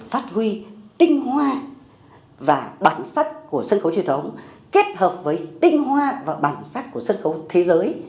phát huy tinh hoa và bản sắc của sân khấu truyền thống kết hợp với tinh hoa và bản sắc của sân khấu thế giới